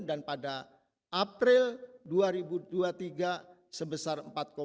dan pada april dua ribu dua puluh tiga sebesar empat tiga